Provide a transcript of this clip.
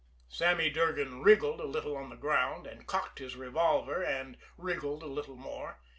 Sammy Durgan wriggled a little on the ground, cocked his revolver and wriggled a little more.